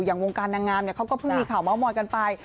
อย่างวงการนางงามเขาก็เพิ่งมีข่าวมากมอดกันไป